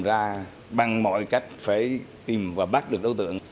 ra bằng mọi cách phải tìm và bắt được đối tượng